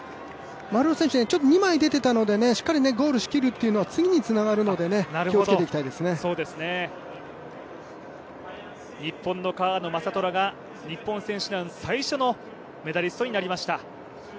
丸尾選手、２枚出ていたのでしっかりゴールしきるというのは次につながるので日本の川野将虎が日本選手団最初のメダリストになりました。